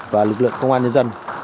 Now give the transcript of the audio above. và lực lượng công an nhân dân